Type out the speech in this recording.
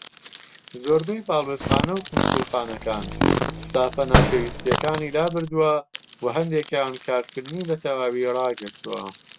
زۆربەی باڵوێزخانە و کونسوڵخانەکان ستافە ناپێوستیەکانی لابردووە، وە هەندێکیان کارکردنی بە تەواوی ڕاگرتووە.